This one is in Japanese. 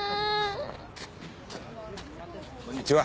こんにちは。